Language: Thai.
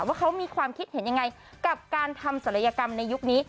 ว่าเขามีความคิดเห็นยังไงกับการทำศัลยกรรมในยุคนี้